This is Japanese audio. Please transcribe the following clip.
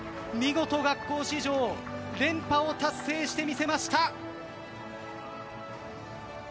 見事、学校史上連覇を達成してみせました。